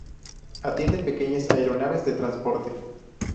Atiende pequeñas aeronaves de transporte.